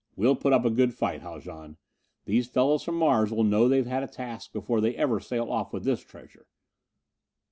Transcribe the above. "We'll put up a good fight, Haljan. These fellows from Mars will know they've had a task before they ever sail off with this treasure."